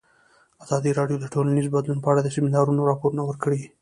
ازادي راډیو د ټولنیز بدلون په اړه د سیمینارونو راپورونه ورکړي.